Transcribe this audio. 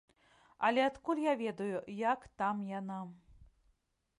Але адкуль я ведаю, як там яна?